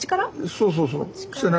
そうそうそう背中。